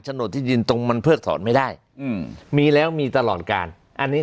โนที่ดินตรงมันเพิกถอนไม่ได้อืมมีแล้วมีตลอดการอันนี้